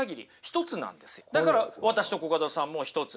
だから私とコカドさんもひとつ。